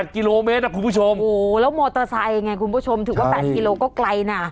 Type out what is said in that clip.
กิโลเมตรนะคุณผู้ชมโอ้โหแล้วมอเตอร์ไซค์ไงคุณผู้ชมถือว่า๘กิโลก็ไกลนะ